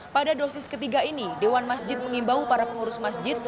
pada dosis ketiga ini dewan masjid mengimbau para pengurus masjid